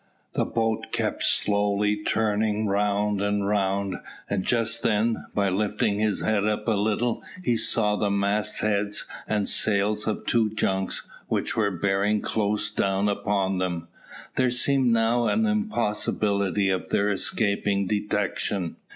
The boat kept slowly turning round and round, and just then, by lifting his head up a little, he saw the mast heads and sails of two junks, which were bearing close down upon them. There seemed now an impossibility of their escaping detection.